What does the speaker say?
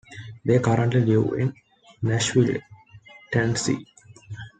They currently live in Nashville, Tennessee.